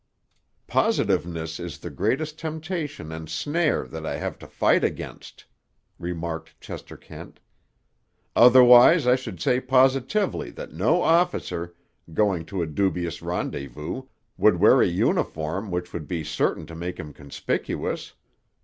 "Positiveness is the greatest temptation and snare that I have to fight against," remarked Chester Kent. "Otherwise I should say positively that no officer, going to a dubious rendezvous, would wear a uniform which would be certain to make him conspicuous.